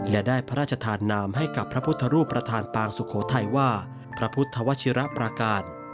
และได้พระราชทานนามให้กับพระพุทธรูปประธานปางสุโขทัยว่าพระพุทธวชิระปราการ